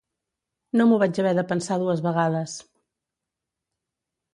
No m'ho vaig haver de pensar dues vegades.